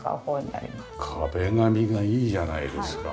壁紙がいいじゃないですか。